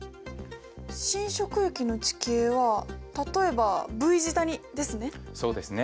侵食域の地形は例えばＶ字谷ですね。